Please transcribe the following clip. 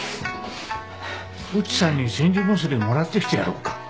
内さんに煎じ薬もらってきてやろうか？